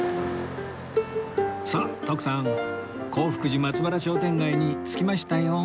さあ徳さん洪福寺松原商店街に着きましたよ